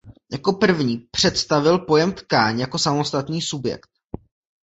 Jako první představil pojem tkáň jako samostatný subjekt.